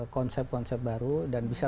konsep konsep baru dan bisa